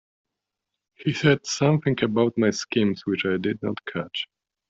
He said something about my schemes which I did not catch.